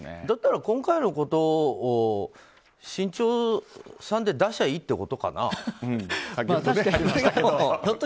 だったら今回のことを新潮さんで出せばいいってことなのかな。